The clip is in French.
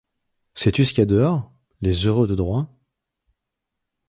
Sais-tu ce qu’il y a dehors ? les heureux de droit.